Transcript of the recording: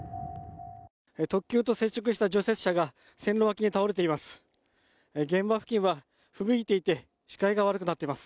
特急と接触した除雪車が線路脇に倒れています。